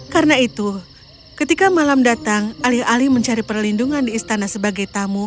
karena itu ketika malam datang alih alih mencari perlindungan di istana sebagai tamu